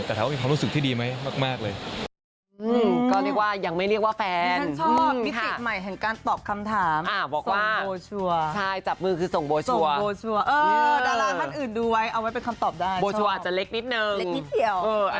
แต่ถามว่ามีความรู้สึกที่ดีไหมมากเลย